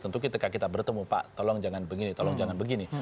tentu ketika kita bertemu pak tolong jangan begini tolong jangan begini